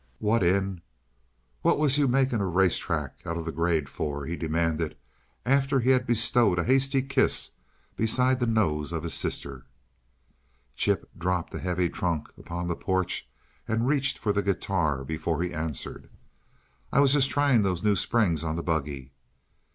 "What in what was you making a race track out of the grade for," he demanded, after he had bestowed a hasty kiss beside the nose of his sister. Chip dropped a heavy trunk upon the porch and reached for the guitar before he answered. "I was just trying those new springs on the buggy."